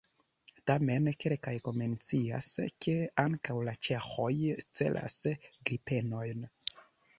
Tamen kelkaj mencias, ke ankaŭ la ĉeĥoj celas Gripenojn.